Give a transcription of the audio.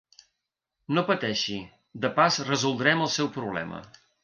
No pateixi, de pas resoldrem el seu problema.